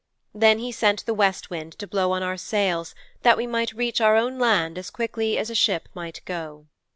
Then he sent the West Wind to blow on our sails that we might reach our own land as quickly as a ship might go.'